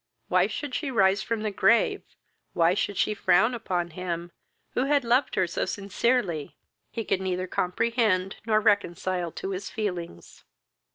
Why she should rise from the grave, why she should frown upon him, who had loved her so sincerely, he could neither comprehend nor reconcile to his feelings.